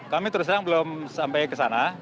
kami terus terang belum sampai ke sana